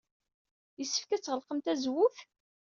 Yessefk ad tɣelqem tazewwut?